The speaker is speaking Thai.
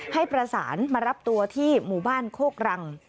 ให้ประสานมารับตัวที่หมู่บ้านโคกรัง